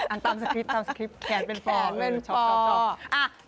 อ่านตามสคริปแขนเป็นฟอร์ชอบ